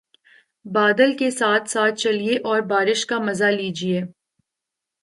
بادل کے ساتھ ساتھ چلیے اور بارش کا مزہ لیجئے